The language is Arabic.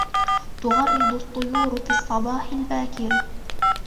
تغرد الطيور في الصباح الباكر.